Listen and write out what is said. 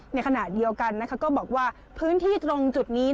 ในขณะเดียวกันก็บอกว่าพื้นที่ตรงจุดนี้